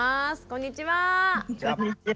「こんにちは」って。